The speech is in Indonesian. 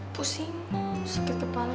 pusing sakit kepala